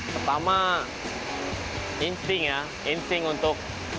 pertama insting ya insting untuk